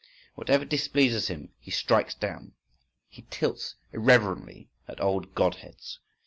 Whatever displeases him he strikes down. He tilts irreverently at old god heads.